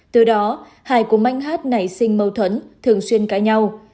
từ đó hải cùng anh hát nảy sinh mâu thuẫn thường xuyên cãi nhau